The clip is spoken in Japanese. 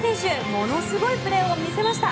ものすごいプレーを見せました。